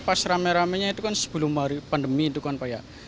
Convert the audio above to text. pas rame ramenya itu kan sebelum hari pandemi itu kan pak ya